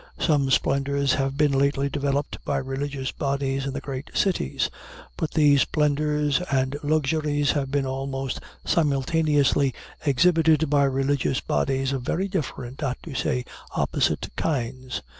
Some splendors have been lately developed by religious bodies in the great cities; but these splendors and luxuries have been almost simultaneously exhibited by religious bodies of very different, not to say opposite, kinds.